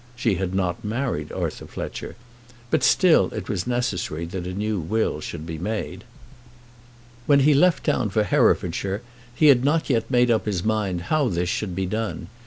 She had not married Arthur Fletcher; but still it was necessary that a new will should be made. When he left town for Herefordshire he had not yet made up his mind how this should be done.